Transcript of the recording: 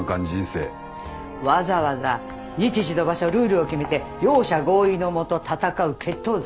わざわざ日時と場所ルールを決めて両者合意のもと闘う決闘罪。